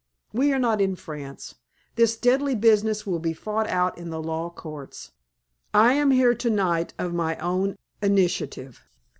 We are not in France. This deadly business will be fought out in the law courts. I am here to night of my own initiative.